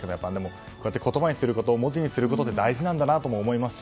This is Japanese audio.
こうやって言葉にすること文字にすることって大事なんだなっていう。